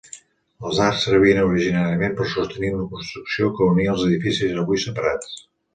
Els arcs servien originàriament per sostenir una construcció que unia els edificis avui separats.